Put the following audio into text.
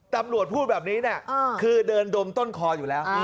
ดำรวจผู้แบบนี้คือเดินดมต้นคออยู่แล้ว